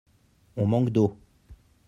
On manque d'eau.